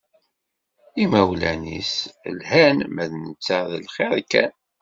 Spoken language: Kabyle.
Imawlan-is lhan, ma d netta d lxiṛ kan.